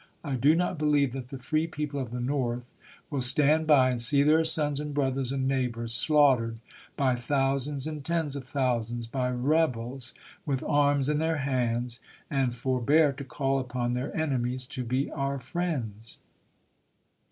.. I do not be lieve that the free people of the North will stand by and see their sons and brothers and neighbors slaughtered by thousands and tens of thousands, by rebels, with arms in "Globe," their hands, and forbear to call upon their enemies to be Aug. 2, 1861, n • T ^ pp. m, 415. our rriends.